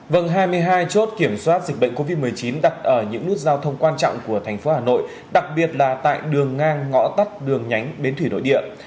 vâng hai mươi hai chốt kiểm soát dịch bệnh covid một mươi chín đặt ở những nút giao thông quan trọng của thành phố hà nội đặc biệt là tại đường ngang ngõ tắt đường nhánh bến thủy nội địa